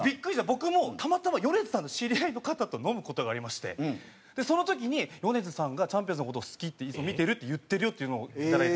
僕もたまたま米津さんの知り合いの方と飲む事がありましてその時に米津さんがちゃんぴおんずの事を好きっていつも見てるって言ってるよっていうのをいただいて。